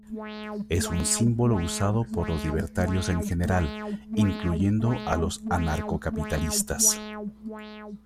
Es un símbolo usado por los libertarios en general, incluyendo a los anarcocapitalistas.